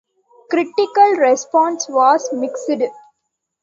Critical response was mixed.